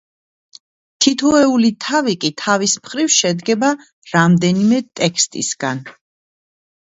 თითოეული თავი კი თავის მხრივ შედგება რამდენიმე ტექსტისგან.